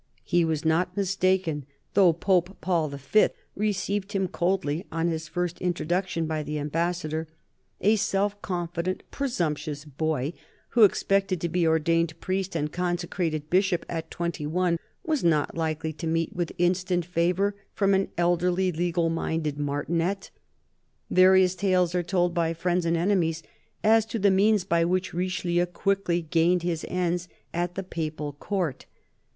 He was not mistaken, though Paul V. received him coldly on his first introduction by the Ambassador: a self confident, presumptuous boy who expected to be ordained priest and consecrated bishop at twenty one, was not likely to meet with instant favour from an elderly, legal minded martinet. Various tales are told, by friends and enemies, as to the means by which Richelieu quickly gained his ends at the Papal Court.